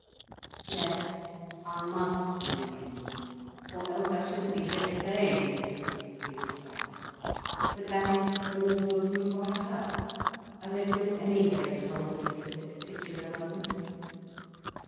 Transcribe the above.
"Yes, I must believe in you, or else I shouldn't be here saying this," he replied. "But that is all the proof I have. I don't feel any very strong belief at this particular moment."